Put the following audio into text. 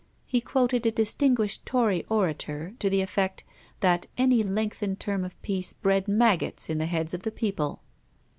He quoted a distinguished Tory orator, to the effect, that any lengthened term of peace bred maggots in the heads of the people.